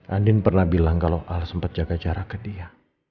andin pernah bilang kalau ar sempat jaga jarak ke dia